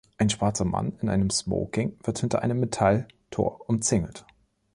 Ein schwarzer Mann in einem Smoking wird hinter einem Metall Tor umzingelt.